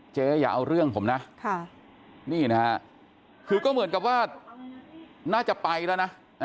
อย่าเอาเรื่องผมนะนี่นะฮะคือก็เหมือนกับว่าน่าจะไปแล้วนะ